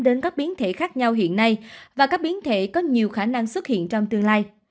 đến các biến thể khác nhau hiện nay và các biến thể có nhiều khả năng xuất hiện trong tương lai